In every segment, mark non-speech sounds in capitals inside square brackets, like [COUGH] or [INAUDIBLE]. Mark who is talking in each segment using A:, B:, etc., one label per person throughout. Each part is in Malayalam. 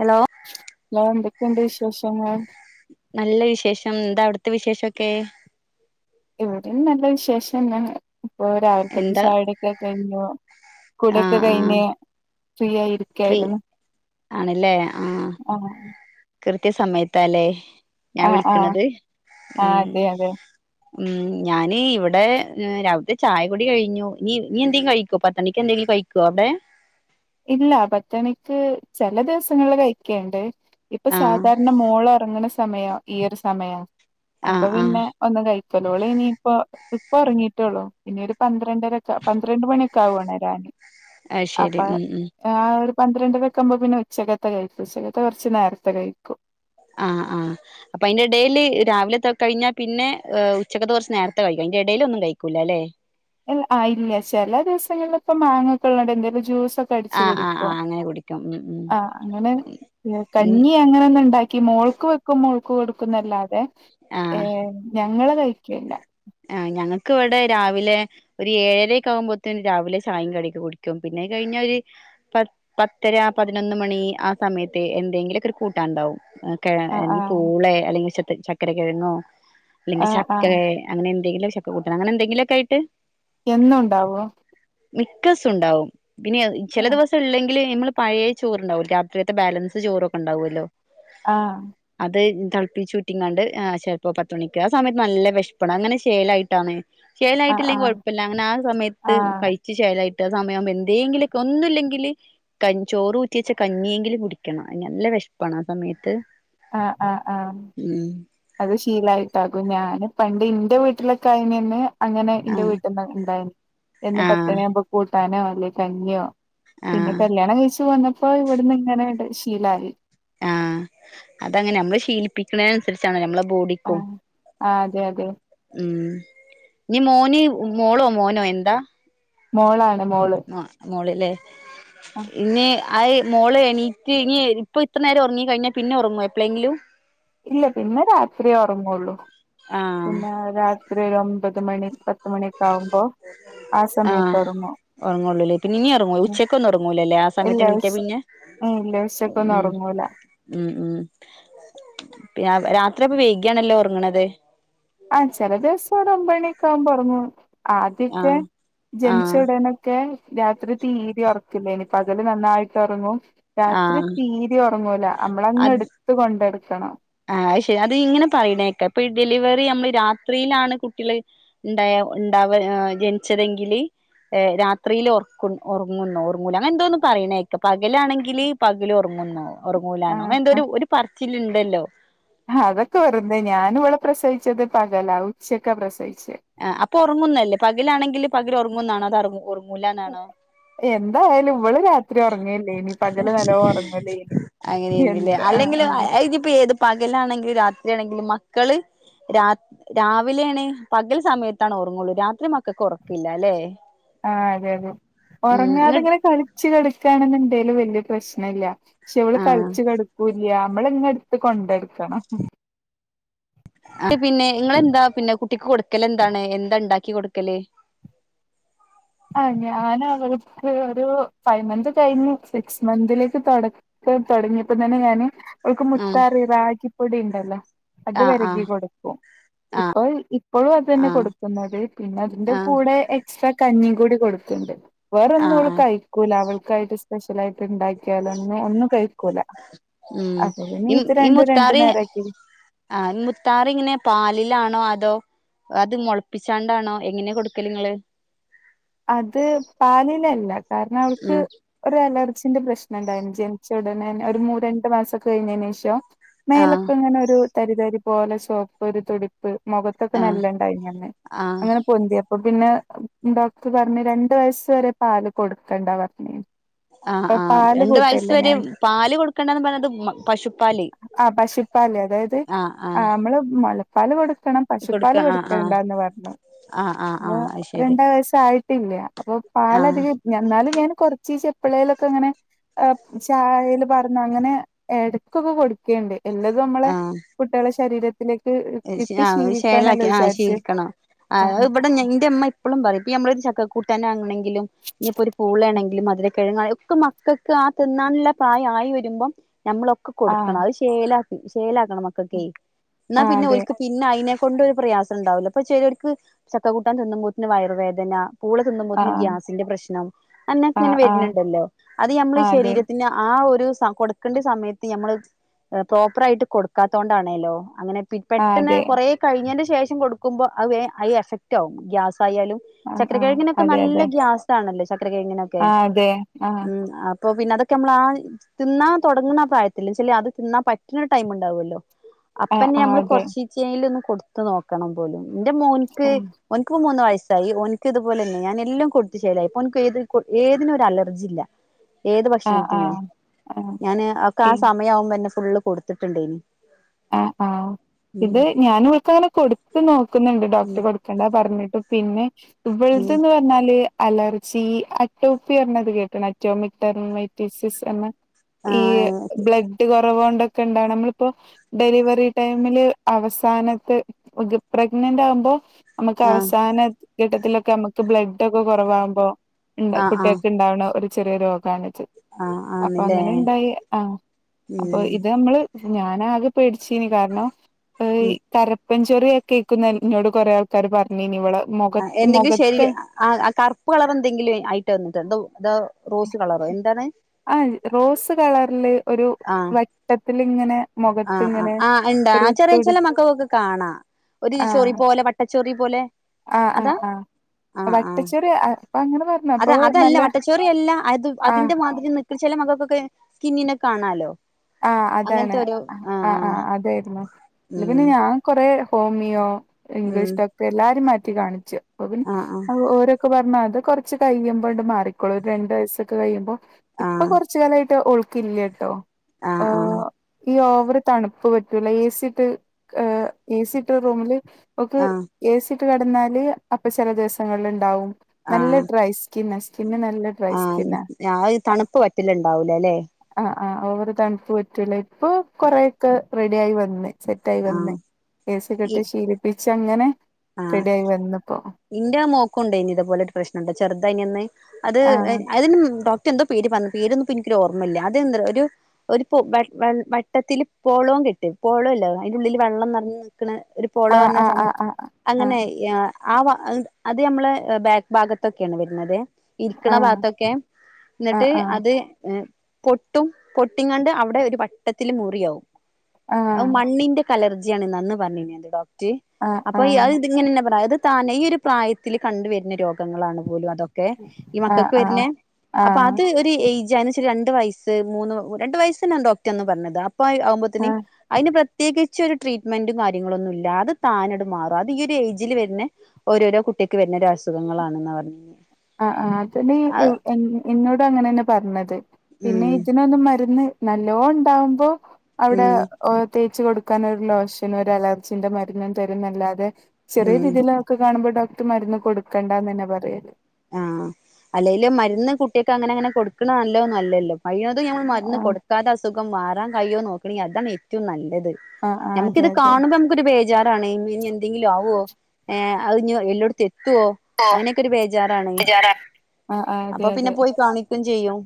A: ഹലോ
B: [UNINTELLIGIBLE] എന്തെക്കെണ്ട് വിശേശങ്ങൾ
A: നല്ല വിശേഷം എന്താ വ്ട്ത്തെ വിശേഷൊക്കെ
B: ഇവിടിം നല്ല വിശേഷന്നെ ഇപ്പൊ രാവിലക്കത്തെ
A: എന്താ
B: ചായുട്യൊക്കെ കയ്ഞ്ഞു
A: ആഹ്
B: കുളിയൊക്കെ
A: ആഹ്
B: കയ്ഞ്ഞ് ഫ്രീയായിരി
A: ഫ്രീ ആണ്ല്ലേ ആഹ്
B: ആഹ്
A: കൃത്യ സമയത്താല്ലേ ഞാൻ
B: ആഹ് ആഹ്
A: വിളിക്ക്ണത്
B: ആഹ്
A: ഉം
B: അതെ അതെ
A: ഉം ഞാന് ഇവിടെ ഏ് രാവിൽത്തെ ചായകുടി കഴിഞ്ഞു ഇനി ഇനെന്തെം കഴിക്കോ പത്തണിക്ക് എന്തെങ്കിലും കഴിക്ക് ഗോ ബേ
B: ഇല്ല പത്തണിക്ക് ചെല ദിവസങ്ങളില് കഴിക്കേണ്ട് ഇപ്പൊ
A: ആഹ്
B: സാധാരണ മോളൊറ്ങ്ങ്ണ സമയാ ഈയൊരു സമയാ അപ്പൊ
A: ആഹ് ആഹ്
B: പിന്നെ ഒന്നും കഴിക്കെല്ല ഓളിനിയിപ്പോ ഇപ്പ ഒറങ്ങിയിട്ടൊള്ളൂ ഇനി ഒരു പന്ത്രണ്ടരക്കാവ് പന്ത്രണ്ട് മണിയൊക്കെ ആവും ഒണരാന്
A: അത്
B: അപ്പ
A: ശരി ഉം ഉം
B: ആ ഒരു പന്ത്രണ്ടരക്കാവുമ്പോ പിന്നെ ഉച്ചക്കത്തെ കഴിക്കും ഉച്ചകത്തെ കൊറച്ച് നേരത്തെ കഴിക്കും
A: ആഹ് ആഹ് അപ്പ അയ്നെടേല് രാവിലെത്തൊ കഴിഞ്ഞാ പിന്നെ ഉച്ചക്കത്ത കൊറച്ച് നേരത്തെ കഴിക്കും അയ്ന്റെ ടേല് ഒന്നും കയ്ക്കൂല്ലല്ലെ
B: ആഹ് ഇല്ല ചെല ദിവസങ്ങളില് പ്പം മാങ്ങക്കെള്ളടെന്തേം വെച്ച് ജ്യൂസൊക് ക്കെഅടിച്ചു
A: ആഹ് ആഹ്
B: കൊട്ക്കും
A: ആഹ് അങ്ങനെ കുടിക്കും ഉം ഉം
B: ആഹ് അങ്ങനെ
A: ഉം
B: കഞ്ഞി അങ്ങനൊന്നുണ്ടാക്കി ക്കി മോൾക്ക് വെക്കും മോൾക്ക് കൊടുക്കുന്നല്ലാതെ
A: ആഹ്
B: ഏഹ് ഞങ്ങള് കയ്ക്കെല്ല്യ
A: ആഹ് ഞങ്ങക്ക് വടെ രാവിലേ ഒരു ഏഴരെക്കാവുമ്പോത്ത്ന് രാവിലെ ചായിം കടിയൊക്കെ കുടിക്കും പിന്നെയ് കയ്ഞ്ഞ ഒര് പത് പത്തര പതിനൊന്ന് മണി ആ സമയത്തെ എന്തെങ്കിലൊക്കൊര് കൂട്ടാൻണ്ടാവും കേ
B: ആ ആ
A: അല്ലെങ്കി പൂളെ അല്ലെങ്കി ചെത് ചക്കര കെഴങ്ങോ
B: ആ
A: അല്ലെങ്കി
B: ആ
A: ചക്കേ അങ്ങെനെ എന്തങ്കിലൊര് ചക്ക കൂട്ടാൻ അങ്ങനെ എന്തങ്കിലാെക്കെയ്ട്ട്
B: എന്നുണ്ടാവോ
A: മിക്കസം ഇണ്ടാവും പിന്നെ
B: ആ
A: ചെല ദിവസല്ലെങ്കി ങ്കിലെ മ്മള് പഴേ ചോറ്ണ്ടാവും രാത്രികത്തെ ബാലൻസ് ചോറൊക്കെ ഇണ്ടാവോല്ലോ
B: ആഹ്
A: അത് തൾപ്പിച്ചൂറ്റിങ്ങാണ്ട് ആ് ചെൽപ്പം പത്തുമണിക്ക് ആ സമയ്ത്ത് നല്ല വെശപ്പ് പ്പാണ് അങ്ങനെ ശേലായിട്ടാണ്
B: ആ ആ
A: ശേലായിട്ടില്ലെങ്കി കൊഴപ്പല്ല അങ്ങനെ ആ സമയത്ത്
B: ആ
A: കഴി ച്ച് ശേലായിട്ട് ആ സമയാവുമ്പോ എന്തേങ്കിലൊക്കെ ഒന്നുല്ലെങ്കില്- കൻ ചോറ് ഊറ്റേച്ച കഞ്ഞിയെങ്കിലും കുടിക്കണം അന്നെ നല്ല വെഷ്പ്പണ് ആ സമയത്ത്
B: ആഹ് ആഹ് ആഹ്
A: ഉം
B: അത് ശീലായിട്ടാകും ഞാന് പണ്ട് ഇന്റെ വീട്ടിലൊക്കെ അയിനന്ന് അങ്ങനെ ഇന്റെ
A: ആഹ്
B: വീട്ടിന്ന് ഇണ്ടായിന് എന്നും
A: ആഹ്
B: പത്തണ്യാവുമ്പോ കൂട്ടാനോ അല്ലെ കഞ്ഞ്യോ പിന്നെ
A: ആഹ്
B: കല്യാണം കഴിച്ച് വന്നപ്പോ ഇവട്‌ന്ന് ഇങ്ങനേണ്ട് ശീലായി
A: ആഹ് അതങ്ങനെ അമ്മള് ശീലിപ്പിക്ക്ണേനൻസരിച്ചാണല്ലോ അമ്മളെ ബോഡി
B: ആഹ് ആഹ് അതെ അതെ
A: ഉം നീ മോന് മോളോ മോനോ എന്താ
B: മോളാണ് മോള്
A: അഹ് മോള് ലേ
B: ആഹ്
A: ഇനി അഅ് മോള് എണീറ്റ് ഇനി ഇപ്പൊ ഇത്ര നേരം ഒർങ്ങി കഴിഞ്ഞാ പിന്നെ ഒർങ്ങാേ എപ്ലേങ്കിലും
B: ഇല്ല പിന്നെ രാത്രിയേ ഒറങ്ങാെള്ളൂ
A: ആഹ്
B: പിന്നെ രാത്രി ഒര് ഒമ്പത് മണി പത് പത്തമണിക്കാവുമ്പോ ആ സമയത്തൊറങ്ങും
A: ഉറങ്ങൂുള്ളൂല്ലേ ഇപ്പ ഇനി ഇറങ്ങൂയി ഉച്ചക്കക്ക് ഒന്നും ഉറങ്ങൂലല്ലേ ആ സയ എണീറ്റാ പിന്നെ
B: ഏ ഇല്ല ഉച്ചക്കൊന്നും
A: ഉം
B: ഒറങ്ങൂല
A: ഉം ഉം [INAUDIBLE] പിന്നെ ആ രാത്രി അപ്പൊ വൈകേണല്ലോ ഒർങ്ങ്ണത്
B: ആഹ് ചെല ദിവസം ഒരു ഒമ്പണിക്കാവുമ്പോ ഒർങ്ങും ആദ്യക്കെ
A: ആഹ്
B: ജനിച്ച
A: ആഹ്
B: ഉടനെക് ക്കെ രാത്രി തീരെ ഒർക്കില്ലേന് പകല് നന്നായിട്ട് ഒറങ്ങും രാത്രി
A: ആഹ്
B: തീരിം ഒറങ്ങൂല നമ്മളങ്ങ് ഇട്ത്ത് കൊണ്ടെട്ക്കണം
A: ആഹ്ശരി അത് ഇങ്ങനെ പറയ്ണേക്ക ഇപ്പൊ ഈ ഡെലിവറി നമ്മള് രാത്രിയിലാണ് കുട്ടള്- ഇണ്ടായ ഇണ്ടാവ ജനിച്ചതെങ്കില് ഏഹ് രാത്രില് ഒറക്കുൺ ഒറങ്ങുംന്നോ ഒറങ്ങൂല അങ്ങനെയെന്തോന്ന് പറയണേക്ക പകലാണെങ്കില് പകൽ ഒറങ്ങുംന്നോ ഒറങ്ങൂലാന്നോ അങ്ങന എന്തോ
B: ആഹ്
A: ഒരു ഒരു പറച്ചില്ണ്ടല്ലോ
B: ആഹ് അതൊക്കെ വെറുതേ ഞാനിവിടെ പ്രസവിച്ചത് പകലാ ഉച്ചയ്ക്കാ പ്രസവിച്ച്
A: ആഹ് അപ്പോ ഉറങ്ങുന്നല്ലേ? പകലാണെങ്കില് പകൽ ഉറങ്ങുന്നാണോ? അതോ ഉറങ്ങൂലന്നാണോ?
B: എന്തായാലും ഇവള് രാ ത്രി ഒറങ്ങില്ലേനി. പകല് നല്ലോം ഒറങ്ങലേനി എന്ത് ആഹ് ആഹ്
A: അതിപ്പേത് പകലാണെങ്കിലും രാത്രിയാണെങ്കിലും മക്കള് രാ രാവിലെയാണ് പകൽ സമയത്താണ് ഓർങ്ങുള്ളൂ. രാത്രി മക്കക്ക് ഒറക്കില്ല അല്ലേ?
B: ആഹ് അതെ അതെ. ഒറങ്ങാതെങ്ങനെ കളിച്ച് കടക്കാണെന്നുണ്ടേലും വല്യ പ്രശ്ന ഇല്ല പക്ഷേ ഇവള്
A: ആഹ്
B: കളിച്ച് കെടക്കൂല്ല്. യാ നമ്മള്ങ്ങനെ എടുത്ത് കൊണ്ടടുക്കണം
A: ആഹ് ട്ട് പിന്നെ ഇങ്ങളെന്താ പിന്ന കുട്ടിക്ക് കൊടുക്കല് എന്താണ്? എന്താ ഇണ്ടാക്കി കൊടുക്കല്?
B: ആഹ് ഞാനവൾക്ക് ഒരു ഫൈവ് മന്ത് കഴിഞ്ഞു സിക്സ് മന്തിലേക്ക് തൊട ക്ക തൊടങ്ങിയപ്പത്തന്നെ ഞാന് അവൾക്ക്
A: ഉം
B: മുത്താറി റാഗിപ്പൊടി ഇണ്ടല്ലോ അത്
A: ആഹ്
B: വെരകി
A: ആഹ്
B: കൊടുക്കും ഇപ്പൾ ഇപ്പോഴും അത് തന്നെ
A: ആഹ്
B: കൊടുക്കുന്നത്. പിന്നെ അതിന്റെ
A: ആഹ്
B: കൂടെ എക്സ്ട്രാ കഞ്ഞീം കൂടി കൊടുക്ക്ണ്ട്. വേറ
A: ആഹ്
B: ഒന്നും അവൾ
A: ആഹ്
B: കഴി ക്കൂല. അവൾക്കായിട്ട് സ്പെഷ്യലായിട്ട് ഇണ്ടാക്കിയാലൊന്നും ഒന്നും കഴിക്കൂല.
A: ഉം
B: അപ്പ പിന്നെ
A: ഈ
B: ഇത്
A: ഈ
B: രണ്ടും രണ്ട്
A: മുത്താറി
B: നേരാക്കി.
A: ആഹ് മുത്താറി എങ്ങനെ പാലിലാണോ അതോ? അത് മൊളപ്പിച്ചാണ്ടാണോ എങ്ങനെ കൊടുക്കല് ങ്ങള്?
B: അത് പാലിലല്ല. കാരണം അവൾക്ക്
A: ഉം
B: ഒരു അലർജിന്റെ പ്രശ്നം ണ്ടായിരുന്നു. ജനിച്ച ഉടനെ ഒരു മൂ രണ്ട് മാസം ഒക്കെ കഴിഞ്ഞേന്റെഷം
A: ആഹ്
B: മേലൊക്കെ ഇങ്ങനെ ഒരു തരിതരി പോലെ സോപ്പ് ഒരു തൊലി പ്പ് മൊഖത്തൊക്കെ
A: ആഹ്
B: നല്ലണ്ടായിനി അന്ന്.
A: ആഹ്
B: അങ്ങനെ പൊന്തിയപ്പോ പിന്നെ ഡോക് ക്ക് പറഞ്ഞ് രണ്ട് വയസ് വരെ പാല് കൊടുക്കണ്ട പറഞ്ഞിന്
A: ആഹ് ആഹ് രണ്ട് വയസ്സ് വരെ പാല് കൊടുക്കണ്ട പറഞ്ഞത് പശുപ്പാല്
B: ആഹ് പശുപ്പാല്. അതായത് ആഹ് അമ്മള് മൊലപ്പാല് കൊടുക്കണം പശുപ്പാൽ
A: ആഹ്
B: കൊടുക്ക
A: ആഹ്
B: ക്കണ്ടാന്ന് പറഞ്ഞു.
A: ആഹ് ആഹ്
B: അപ്പോ
A: ആഹ് അത് ശരി
B: രണ്ട് വയസ്സ് ആയിട്ടില്ല. അപ്പോ
A: ആഹ്
B: പാലധികംല്ല എന്നാലും ഞാൻ കൊറച്ചീശ്ശേ എപ്പളേലൊക്കെ ഇങ്ങനെ ആഹ് ചായേല് പാർന്നാങ്ങനെ എടക്കൊക്കെ കൊടുക്കേണ്ട്. എല്ലതു മ്മളേ
A: ആഹ്
B: കുട്ട്യേളെ ശരീരത്തിലേക്ക് കിട്ടി
A: ആഹ്
B: ശീലിക്കാണല്ലോ
A: ഇൻശാഅല്ലാഹ്‌ ആഹ്
B: വിചാരിച്ച്
A: ശീലിക്കണം.
B: ആ
A: ആഹ് ഇബടെ ഇന്റെമ്മ എപ്പളും പറയും. ഇപ്പ ഞമ്മള് ഒരു ചക്കക്കൂട്ടാനാണെങ്കിലും ഇനിയിപ്പോ ഒരു പൂളേണങ്കിലും മധുര കിഴങ്ങ ഒക്ക മക്കക്ക് ആ തിന്നാനുള്ള പ്രായം ആയി വരുമ്പം ഞമ്മളൊക്കെ
B: ആ
A: കൊടുക്കണം. അത് ശെലാക്കി ശേലാക്കണം മക്കക്കെ. എന്നാ
B: ആ
A: പിന്ന
B: അതെ
A: ഓല്ക്ക് പിന്നെ അയിനെക്കൊണ്ട് ഒര് പ്രയാസംണ്ടാവില്ല. അപ്പ ചെലോർക്ക് ചക്ക കൂട്ടാൻ തിന്നുമ്പോത്തിന് വയറു വേദന പൂള
B: ആ
A: തിന്നുമ്പോത്തിന് ഗ്യാസിന്റെ പ്രശ്നം. അന്നെക്ക്
B: ആ
A: ഇങ്ങനെ
B: ആ
A: വരുന്നുണ്ടല്ലോ. അത് നമ്മള്
B: ആ അതെ
A: ശരീരത്തിന് ആ ഒരു സ കൊടുക്കേണ്ട സമയത്ത് ഞമ്മള് പ്രോപ്പർ ആയിട്ട് കൊടുക്കാത്തോണ്ടാണേലോ അങ്ങനെ
B: ആ
A: പെട്ടെന്ന്
B: അതെ
A: കൊറെ കഴിഞ്ഞേന്റെ ശേഷം കൊടുക്കുമ്പോ അത് വേ അത് എഫക്റ്റ് ആകും ഗ്യാസായാലും
B: ആ
A: ചക്കര
B: ആ
A: കിഴങ്ങിനൊക്കെ
B: അതെ
A: നല്ല
B: അതെ
A: ഗ്യാസാണല്ലോ. ചക്കര കിഴങ്ങിനൊക്കെ.
B: ആ അതെ ആ
A: ഉം ആഹ് പ്പോ പിന്നെ അതൊക്കെ നമ്മൾ ആ പ്പോ തിന്നാൻ തോടങ്ങ്ണ ആഹ് പ്രായത്തില് ച്ചാല് അത് തിന്നാൻ പറ്റണൊരു ടൈം ഉണ്ടാവല്ലോ
B: ആ
A: അപ്പന്നെ
B: ആ
A: ഞമ്മള്
B: അതെ
A: കൊറച്ചീച്ചേലും ഒന്ന് കൊടുത്ത് നോക്കണം പോലും. ന്റെ മോൻക്ക്
B: ആ
A: ഓൻക്ക്പ്പോ മൂന്ന് വയസ്സായി. ഓൻക്ക് ഇതുപോലന്നെ. ഞാൻ എല്ലം കൊടുത്തുച്ചേലായി. ഇപ്പോ ഓൻക്ക് ഏത് ഏതിനൊര അലർജി ഇല്ല. ഏത്
B: ആഹ്
A: ഭക്ഷണത്തിനേ.
B: ആഹ് ആഹ്
A: ഞാന് ഒക്ക ആ സമയം ആവുമ്പന്നേ ഫുള്ള് കൊടുത്തിട്ടുണ്ടേനി
B: ആഹ് ആഹ്
A: ഉം
B: ഇത് ഞാൻ ഇവൾക്ക്ങ്ങനെ കൊടുത്ത് നോക്കുന്നുണ്ട്. ഡോക്ടറ് കൊടു ക്കണ്ട പറഞ്ഞിട്ടും. പിന്നെ ഇവൾത്
A: ഉം
B: ന്ന് പറഞ്ഞാല് അലർജി അറ്റോഫി പറഞ്ഞത് കേട്ട്ണോ അറ്റോമിക് ടെർമറ്റെയ്റ്റ്റ്റിസ്‌ എന്ന്. ഇയ്യ്
A: ആഹ്
B: ബ്ലഡ് കൊറവോണ്ടൊക്കെ ഇണ്ടാവണ മ്മളിപ്പോ ഡെലിവറി ടൈമില് അവസാനത്തെ പ്രഗ്നന്റ് ആകുമ്പോ നമക്ക്
A: ആഹ്
B: അവസാന ഘട്ടത്തിലൊക്കെ നമ്മക്ക് ബ്ലഡ് ഒക്കെ കോറവാകുമ്പോ
A: ആഹ് ആഹ്
B: കുട്ടിയക്ക് ഇണ്ടാവ്ണ ഒരു ചെറിയ രോഗണത്
A: ആഹ്
B: അപ്പൊ
A: ആന്നില്ലേ
B: അങ്ങനെ ണ്ടായാ ആഹ് അപ്പൊ
A: ഉം
B: ഇത് നമ്മള് ഞാനാക പേടിച്ചീനി കാരണം
A: ഉം
B: കരപ്പൻചൊറിയൊക്കെ ക്കുന്ന ന്നോട് കോറെ ആൾ കാര് പറഞ്ഞീനിഇവളെ
A: എന്തെങ്കിലും ശരി
B: മുഖത്ത്മുഖത്ത്
A: ആഹ് ആഹ് കറുപ്പ് കളർ എന്തെങ്കിലും ആയിട്ട് വന്നത് എന്തോ തോ റോസ് കളറോ എന്താണ്
B: ആഹ് റോസ് കളറില് ഒരു
A: ആഹ്
B: വട്ടത്തില് ഇങ്ങനെ
A: ആഹ് ആഹ് ആഹ് ഇണ്ടാ ആഹ് ചെറിയ ചെലെ മക്കകൊക്കെ കാണാ ഒരു ചോറി
B: ആഹ്
A: പോലെ വട്ടച്ചോറി പോലെ
B: ആഹ്
A: അതാ
B: ആഹ് ആഹ്
A: ആഹ ആഹ
B: വട്ടച്ചൊറി അപ്പൊ അങ്ങനെ പറഞ്ഞു
A: അത
B: അപ്പൊ
A: അതല്ല
B: നല്ല
A: വട്ടച്ചോറിയല്ല അത്
B: ആഹ്
A: അതിന്റെ മാതിരി നി ചെ ല മകൾക്കൊക്കെ സ്കിന്നിന് കാണാലോ
B: ആഹ് അതാണ് ആഹ് ആഹ് അതായിരുന്നു പിന്നെ
A: ഉം
B: ഞാൻ കൊറേ ഹോമിയോ
A: ഉം
B: ഇംഗ്ലീഷോടോക് ട്ടെ എല്ലാരും മാറ്റി കാണിച്ചു അപ്പ
A: ആഹ്
B: പിന്നേ ഓര് അത് കുറച്ച് കഴിയുമ്പോണ്ട് മാറിക്കോളൂ ഒരു രണ്ട് വയസ്സൊക്കെ കഴിയുമ്പോ ഇപ്പൊ
A: ആഹ്
B: കോറച്ച് കൊ ർ ച്ചാലായിട്ട് ഒൾക്ക് ല്ല ട്ടോ
A: ആഹ്
B: ഓ
A: ആഹ്
B: ഈ ഓവറ് തണുപ്പ് പറ്റൂല ഏസിട്ട് ഏസിട്ട റൂമില് ഓക്ക്
A: ആഹ് ആഹ്
B: ഏസിട്ട് കടന്നാല് അപ്പൊ ചല ദിവസങ്ങളിൽ ണ്ടാവും നല്ല ഡ്രൈ സ്കിന്ന സ്കിന്ന് നല്ല ഡ്രൈ
A: ആഹ്
B: സ്കിന്നാ
A: ആഹ് തണുപ്പ് പറ്റല് ണ്ടാവൂല ല്ലേ
B: ആ ആ് ഓവർ തണുപ്പ് പറ്റൂല ഇപ്പൊ കൊറെയൊക്കെ റെഡി ആയി വന്ന്. സെറ്റായി വന്ന്
A: ആഹ് ഈ
B: എസിക്കെട്ട് ശീലിപ്പിച്ചങ്ങനെ
A: ആഹ്
B: റെഡി ആയി വന്ന്പ്പോ.
A: ഇന്റെ മോക്കുണ്ടേനി ഇത്പോലെ ഒരു പ്രശ്നട്ടാ ചെറുതായിനന്ന് അത്
B: ആഹ്
A: അതിനു ഡോക്ടർ എന്തോ പേര് പറഞ്ഞ് പേരൊന്നും ഇപ്പൊ നിക്കൊരു ഓർമ്മയില്ല അതെന്ത ഒരു ഒരു പോ വെ വ വട്ടത്തില് പോളവും കെട്ട് പോളവുല്ലേ അതിന്റെ ഉള്ളില് വെള്ളം നിറഞ്ഞു നിക്ക്‌ണെ. ഒരു പോളോ
B: ആഹ്
A: പറഞ്ഞാ
B: ആഹ്
A: സംഭവം.
B: ആഹ്
A: അങ്ങനെ എ ആ അഹ് അത് നമ്മളെ ബാക്ക് ഭാഗത്തൊക്കെയാണ് വരുന്നതെ. ഇരിക്ക്‌ണ
B: ആഹ്
A: ഭാഗത്തൊക്കെ എന്നിട്ട്
B: ആഹ് ആഹ്
A: അത് ഏ പൊട്ടും പൊട്ടിങ്ങാണ്ട് അവിടെ ഒരു വട്ടത്തില്
B: ആഹ്
A: മുറിയാവുംഅഹ് മണ്ണിന്റെ അലർജിയണെന്ന അന്ന് പറഞ്ഞേനിയത് ഡോക്ടർ
B: ആഹ് ആഹ് ആഹ്
A: അപ്പൊ ഇ അഹ്
B: ആഹ്
A: ഇങ്ങനെന്നെ പറയാം അത് താനെ ഈ ഒരു പ്രായത്തിൽ കണ്ടുവരുന്ന രോഗങ്ങളാണ് പോലും അതൊ ക്കെ ഈ
B: ആഹ്
A: മക്കൾക്ക്
B: ആഹ്
A: വരുന്ന അപ്പൊ
B: ആഹ്
A: അത് ഒരു ഏജ് ഏകദേശം രണ്ടു വയസ് മൂന്ന് രണ്ട് വയസ്സ് തന്നെയാണ് ഡോക്ടറന്ന് പറഞ്ഞത് അപ്പൊ ആവുമ്പോത്തിന്
B: ആഹ്
A: അതിന് പ്രത്യേകിച്ച് ഒരു ട്രീറ്റ്മെന്റും കാര്യങ്ങളൊന്നും ഇല്ല അത് താനെങ്ങട്ടുമാറും. ഈ ഒരു ഏജിൽ വരുന്ന ഓരോരോ കുട്ടിയേക്ക് വരുന്ന ഒരു അസുഖങ്ങളാണ്ന്ന പറഞ്ഞെ.
B: ആ് ആ് അതിന് എ ഇന്നോട് അങ്ങനെ തന്നെ പറഞ്ഞത്
A: ഉം
B: പിന്നെ ഇതിനൊന്നും മരുന്ന് നല്ലോണ്ടാവുമ്പോ
A: ഉം
B: അവിടെ തേച്ച് കൊടുക്കാന് ഒരു ലോഷനും ഒരു അലർജിന്റെ മരുന്നും തരുന്നല്ലാതെ ചെറിയ
A: ഉം
B: രീതിൽ ഒക്കെ കാണുമ്പോ ഡോക്ടർ മരുന്ന് കൊടുക്കണ്ടന്ന്ന്നെ പറയല്.
A: ആഹ അല്ലെലും മരുന്ന് കുട്ടിയൊക്കെങ്ങനെ അങ്ങനെ കൊടുക്കണത് നല്ലോന്നും അല്ലല്ലോ. കഴിയണതും നമ്മൾ മരുന്ന്
B: ആഹ്
A: കൊടുക്കാതെ അസുഖം മാറാൻ കഴിയോ നോക്കാണെങ്കിൽ അതാണ് ഏറ്റവും നല്ലത്.
B: ആഹ് ആഹ്
A: ഞമുക്ക്
B: അതെ
A: ഇത്
B: അതെ
A: കാണുമ്പോ. ഒരു ബേജാറാണ് ഇനി എന്തെങ്കിലും ആവോ ഏ അതിഞ്ഞി എല്ലോടത്തി എത്തുവോ. അയിനൊക്കൊരു ഒരു ബേജാറാണ്
B: ആഹ് ആഹ്
A: അപ്പൊ പിന്നെ പോയി കാണിക്കും ചെയ്യും.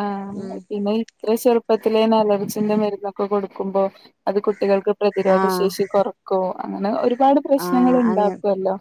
B: ആഹ
A: ഉം
B: മെ പിന്നെ. ഇത്ര ചെറുപ്പത്തിലെന്നെ അലർജിന്റെ മരുന്നൊക്കെ കൊടുക്കുമ്പോൾ അത് കുട്ടികൾക്ക്
A: ആഹ്
B: പ്രതിരോധശേഷി കുറ ക്കും അങ്ങനെ ഒരുപാട് പ്രശ്നങ്ങൾ ഉണ്ടാക്കല്ലേ.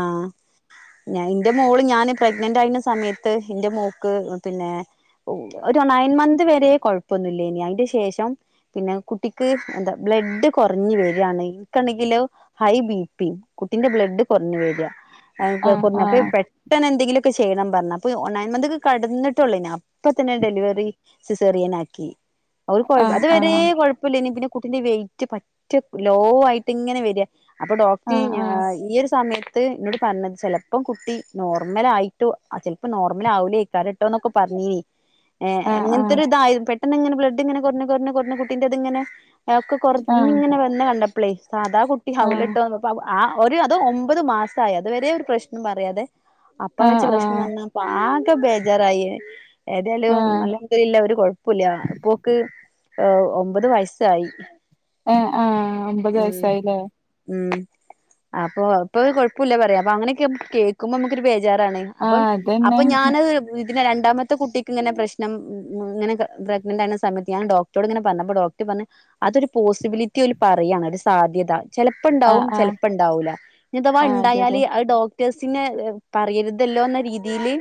A: ആഹ. ഞന് എന്റെ മോള് ഞാന് പ്രഗ്നന്റ് ആയിന്ന സമയത്ത് എന്റെ മോക്ക് പിന്നെ ഓ ഒരു നയൻ മന്ത് വരെ കൊഴപ്പൊന്നുല്ലിയെനി അയിന്റെ ശേഷം പിന്നെ കുട്ടിക്ക് എന്താ ബ്ലഡ് കുറഞ്ഞു വെരാണ് ഇനിക്കാണെങ്കിലോ ഹൈ ബി പി കുട്ടിന്റെ ബ്ലഡ് കൊറഞ്ഞു വര്യാ ഏഹ്
B: ആഹ്
A: കുറഞ്ഞപ്പ
B: ആഹ്
A: പെട്ട ട്ടെന്ന് എന്തെങ്കിലുമൊക്കെ ചെയ്യണം പറഞ്ഞ് അപ്പൊ നയൻ മന്ത്ക്ക്‌ കടന്നിട്ടു ഉള്ളേര്ന്നു അപ്പത്തന്നെ ഡെലിവറി സിസേറിയനാക്കി. ഒരു കൊഴപ്പം
B: ആഹ്
A: അത് വരെ
B: ആഹ്
A: കുഴപ്പല്ലെയ്നി പിന്നെ കുട്ടിന്റെ വെയിറ്റ് പറ്റെ ലോ ആയിട്ട് ഇങ്ങനെ വര്യാ. അപ്പൊ ഡോക്ടർ
B: ആഹ്
A: ഞാ
B: ആഹ്
A: ഈയൊരു സമയ ത്ത് എന്നോട് പറഞ്ഞ് ചിലപ്പോകുട്ടി നോർമൽ ആയിട്ടോ ചിലപ്പോം നോർമൽ ആവൂലെക്കാരം ട്ടോ എന്നൊക്കെ പറഞ്ഞീനി. ഏഹ്
B: ആഹ് ആഹ്
A: അങ്ങനെത്തൊരിതായി പെട്ടെന്ന് ഇങ്ങനെ ബ്ലഡ് ഇങ്ങനെ കുറഞ്ഞ് കുറഞ്ഞ് കുറഞ്ഞ് കുട്ടിന്റെ ഇതിങ്ങനെ. ഒക്കെ
B: ആഹ്
A: കുറഞ്ഞിങ്ങനെ വന്ന കണ്ടപ്പളേ സാധാകുട്ടി
B: ആഹ്
A: അവുലട്ടോ അപ്പൊ ആഹ് ഒരു അത് ഒമ്പത് മാസമായി അതുവരെ ഒരു പ്രശ്നം പറയാതെ അപ്പം
B: ആഹ്
A: വെച്ച് പ്രശ്നം
B: ആഹ്
A: പറഞ്ഞാപ്പോ ആക്കെ ബേജാറായി ഏതായാലും ന
B: ആഹ്
A: ല്ല ഒരു കൊഴപ്പില്ല ഇപ്പോ ഓക്ക് ഒമ്പത് വയസായി.
B: ഏഹ് ആഹ് ഒമ്പത് വയസ്സായില്ലേ?
A: ഉം അപ്പൊ ഇപ്പൊ കൊഴപ്പില്ല പറയാ അപ്പൊ അങ്ങനെയൊക്കെ കേൾക്കുമ്പോ നമുക്കൊരു ബേജാറാണേ. അപ്പം
B: ആഹ് അതന്നെ
A: അപ്പൊ ഞാനത് ഇതിന്റെ രണ്ടാമത്തെ കുട്ടിക്ക് ഇങ്ങനെ പ്രശ്നം ഇങ്ങനെ പ്രഗ്നന്റ് ആയ സമയത്ത് ഞാൻ ഡോക്ട റോട് ഇങ്ങനെ പറഞ്ഞ് ഡോക്ടർ പറഞ്ഞ് അതൊരു പോസിബിലിറ്റി ഓല് പറയാണ് ഒരു സാധ്യത.
B: ആഹ് ആഹ്
A: ചെലപ്പുണ്ടാവുംചെലപ്പോണ്ടാവൂല ഇനി അഥവാ
B: ആഹ് അതെ
A: ഉണ്ടായല്
B: അതെ
A: അത് ഡോക്ട ടേഴ്സിനെ പറയരുതല്ലോ എന്ന രീതിയില്.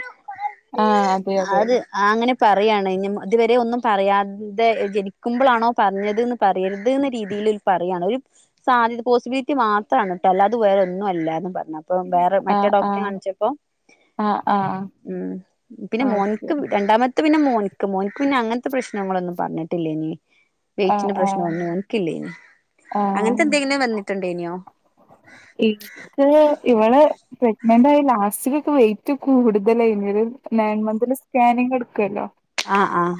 B: ആഹ് അതെ അതെ.
A: ആഹ് അങ്ങനെ പറയാണ് ഇതുവരെ ഒന്നും പറയാതെ ജനിക്കുമ്പോളാണോ പറഞ്ഞത് എന്ന് പറയരുത് എന്ന രീതിയിൽ ഓല് പറയാണ് ഒരു സാധ്യത. പോസിബിലിറ്റി മാത്രമാണ് ട്ടോ അല്ലാതെ വേറെ ഒന്നും അല്ല എന്ന് പറഞ്ഞ് അപ്പൊ വേറെ മറ്റേ
B: ആഹ്
A: ഡോക്ടറെ
B: ആഹ്
A: കാണിച്ചപ്പോ.
B: ആഹ് ആഹ്
A: ഉം പിന്നെ
B: ഓക്കെ
A: മോൻക്ക് രണ്ടാമത്തെ പിന്നെ മോന്ക്ക് മോന്ക്ക് പിന്നെ അങ്ങത്തെ പ്രശ്ന ങ്ങളൊന്നും പറഞ്ഞിട്ടില്ലേയ്നി
B: ആഹ്
A: വെയിറ്റിന്റെ പ്രശ്നം
B: ആഹ്
A: ഒന്നും. യില്ലയ്നി അങ്ങനത്തെ
B: ആഹ്
A: എന്തെങ്കിലും വന്നിട്ട് ഉണ്ടേയ്നിയോ?
B: ഇന്ക്ക് ഇവള്. പ്രെഗ്നന്റ് ആയി ലാസ്റ്റിലൊക്കെ വെയിറ്റ് കൂടുതലായിനി ഒരു നയൻ മന്തിൽ സ്കാനിങ് എടുക്കല്ലോ.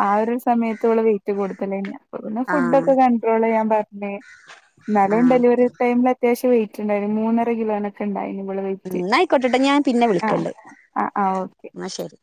B: ആഹ് ഒരു സമയത്ത് ഓള് വെയിറ്റ് കൂടുതലായ്നീ അപ്പം പിന്നെ ഫുഡ്
A: ആഹ്
B: ഒക്കെ ക ൺട്രോള് ചെയ്യാൻ പറഞ്ഞ് എന്നാലും
A: ആഹ്
B: ഡെലിവറി ടൈമിൽ അത്യാവശ്യം വെയ് റ്റ് ഉണ്ടായി മൂന്നര കിലോനൊക്കെണ്ടായി ഇവള് വെയ്റ്റ്.
A: എന്നാ ആയിക്കോട്ടട്ടെ ഞാൻ പിന്നെ വിളിക്കണ്ട്
B: ആഹ് ആഹ് ഓക്കെ.
A: ന്നാ ശരി.